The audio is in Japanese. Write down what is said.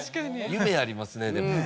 夢ありますねでも。